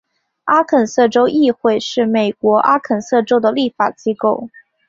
阿肯色州议会是美国阿肯色州的立法机构。